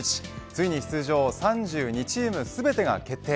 ついに出場３２チーム全てが決定。